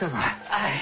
はい。